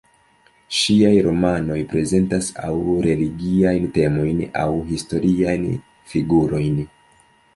Ŝiaj romanoj prezentas aŭ religiajn temojn, aŭ historiajn figurojn.